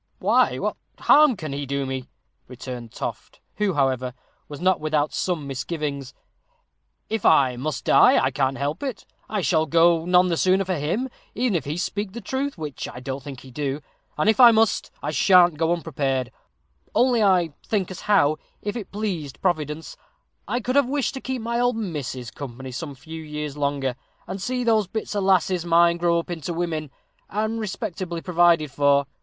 "Why, what harm can he do me?" returned Toft, who, however, was not without some misgivings. "If I must die, I can't help it I shall go none the sooner for him, even if he speak the truth, which I don't think he do; and if I must, I sha'n't go unprepared only I think as how, if it pleased Providence, I could have wished to keep my old missus company some few years longer, and see those bits of lasses of mine grow up into women, and respectably provided for.